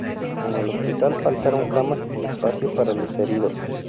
En el hospital faltaron camas y espacio para los heridos.